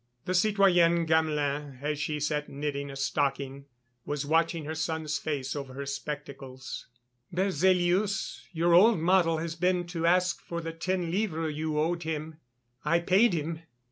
The citoyenne Gamelin, as she sat knitting a stocking, was watching her son's face over her spectacles. "Berzélius, your old model, has been to ask for the ten livres you owed him; I paid him.